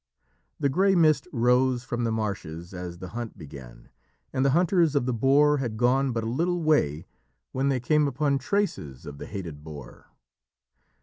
The grey mist rose from the marshes as the hunt began, and the hunters of the boar had gone but a little way when they came upon traces of the hated boar.